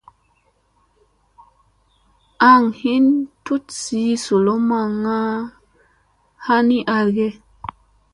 An hin tut zii zolo manna ha ni ara ge.